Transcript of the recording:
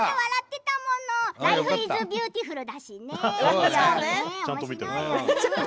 ライフイズビューティフルだしね。